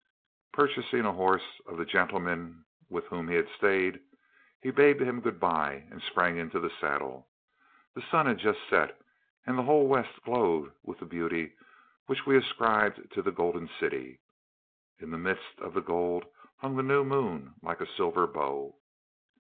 Purchasing a horse of the gentleman with whom he stayed, he bade him good bye, and sprang into the saddle. The sun had just set, and the whole west glowed with the beauty which we ascribe to the Golden City. In the midst of the gold hung the new moon like a silver bow.